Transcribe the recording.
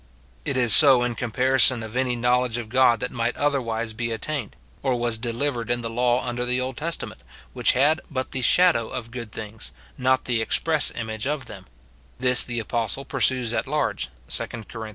It is so in comparison of any knowledge of God that might otherwise be at tained, or was delivered in the law under the Old Tes tament, which had but the shadow of good things, not the express image of them ; this the apostle pursues at large, 2 Cor. iii.